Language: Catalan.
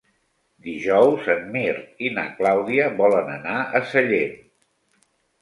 Dijous en Mirt i na Clàudia volen anar a Sellent.